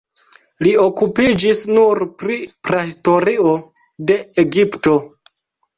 Li okupiĝis nur pri prahistorio de Egipto.